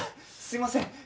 すいません。